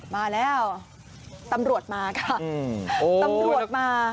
มาแล้วตำรวจมาค่ะตำรวจมา